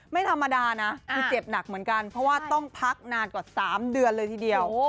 ไม่ธรรมดานะคือเจ็บหนักเหมือนกันเพราะว่าต้องพักนานกว่า๓เดือนเลยทีเดียว